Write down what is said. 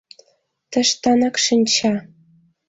Тыштанак шинча.